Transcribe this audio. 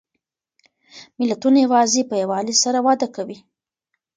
ملتونه یوازې په یووالي سره وده کوي.